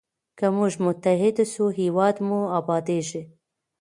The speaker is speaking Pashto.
که موږ متحد سو هېواد مو ابادیږي.